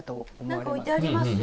何か置いてありますよ。